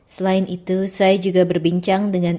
selain itu saya juga berbincang dengan